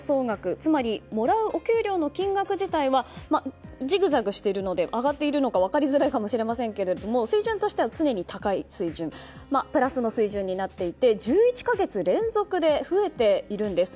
つまりもらうお給料の金額自体はじぐざぐしているので上がっているのか分かりづらいかもしれませんが水準としては常に高いプラスの水準になっていて１１か月連続で増えているんです。